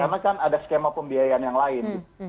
karena kan ada skema pembiayaan yang lain